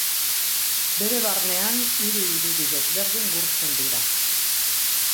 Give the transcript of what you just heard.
Bere barnean, hiru irudi desberdin gurtzen dira.